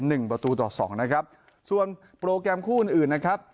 หนึ่งประตูต่อสองนะครับส่วนโปรแกรมคู่อื่นอื่นนะครับ